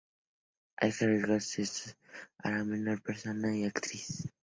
Hay que arriesgarse, eso te hará mejor persona y actriz".